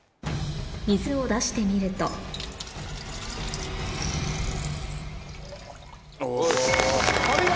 水を出してみるとお見事！